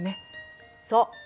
そう。